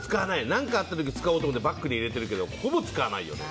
何かあった時、使おうと思ってバッグに入れてるけどほぼ使わないよね。